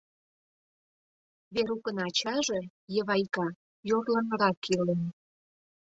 Верукын ачаже — Йывайка — йорлынрак илен.